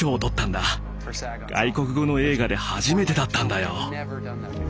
外国語の映画で初めてだったんだよ。